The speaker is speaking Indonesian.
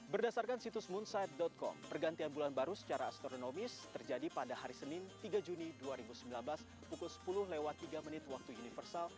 berdasarkan situs moonsight com pergantian bulan baru secara astronomis terjadi pada hari senin tiga juni dua ribu dua puluh